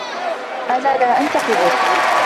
أنا لا أنتقدك.